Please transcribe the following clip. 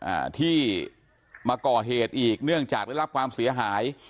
อ่าที่มาก่อเหตุอีกเนื่องจากได้รับความเสียหาย